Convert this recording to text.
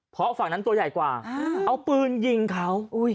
เพราะฝั่งนั้นตัวใหญ่กว่าเอาปืนยิงเขา